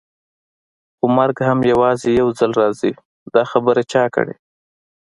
خو مرګ هم یوازې یو ځل راځي، دا خبره چا کړې؟